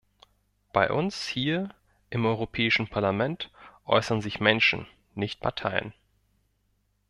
Bei uns hier im Europäischen Parlament äußern sich Menschen, nicht Parteien.